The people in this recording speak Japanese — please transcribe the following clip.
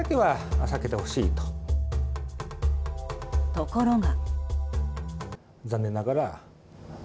ところが。